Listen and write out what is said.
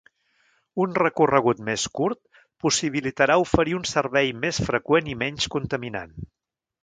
Un recorregut més curt possibilitarà oferir un servei més freqüent i menys contaminant.